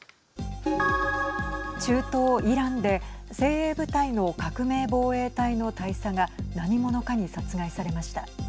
中東イランで精鋭部隊の革命防衛隊の大佐が何者かに殺害されました。